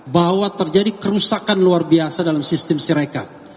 bahwa terjadi kerusakan luar biasa dalam sistem sirekat